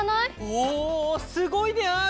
おすごいである！